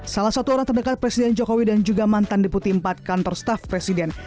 salah satu orang terdekat presiden jokowi dan juga mantan deputi empat kantor staff presiden